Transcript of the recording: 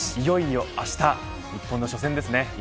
いよいよあした日本の初戦ですね。